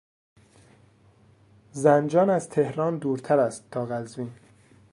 زنجان از تهران دورتر است تا قزوین.